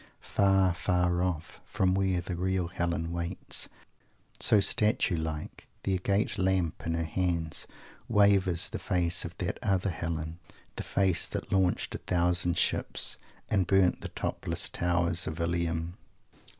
Far, far off, from where the real Helen waits, so "statue like" the "agate lamp" in her hands wavers the face of that other Helen, the face "that launched a thousand ships, and burnt the topless towers of Ilium."